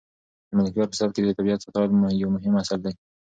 د ملکیار په سبک کې د طبیعت ستایل یو مهم اصل دی.